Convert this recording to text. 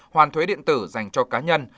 hoàn thuế điện tử dành cho cá nhân